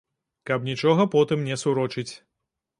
Каб нічога потым не сурочыць.